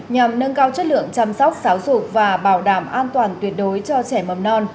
nhằm nâng cao chất lượng chăm sóc giáo dục và bảo đảm an toàn tuyệt đối cho trẻ mầm non